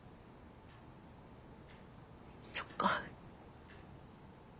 そっか。